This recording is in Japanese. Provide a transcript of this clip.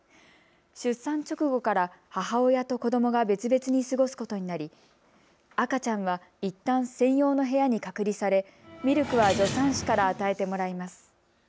出産直後から母親と子どもが別々に過ごすことになり赤ちゃんはいったん専用の部屋に隔離され、ミルクは助産師から与えてもらいます。